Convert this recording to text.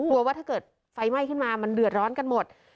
ว่าถ้าเกิดไฟไหม้ขึ้นมามันเดือดร้อนกันหมด